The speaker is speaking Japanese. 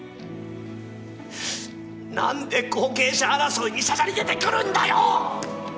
何で後継者争いにしゃしゃり出てくるんだよ！